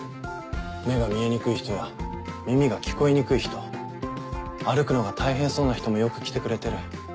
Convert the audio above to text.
目が見えにくい人や耳が聞こえにくい人歩くのが大変そうな人もよく来てくれてる。